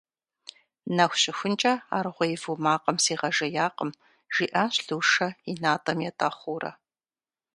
- Нэху щыхункӏэ аргъуей ву макъым сигъэжеякъым, - жиӏащ Лушэ и натӏэм етӏэхъуурэ.